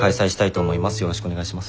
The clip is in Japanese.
よろしくお願いします。